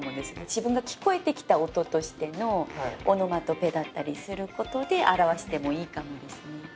自分が聞こえてきた音としてのオノマトペだったりすることで表してもいいかもですね。